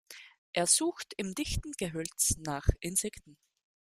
Es sucht im dichten Gehölz nach Insekten.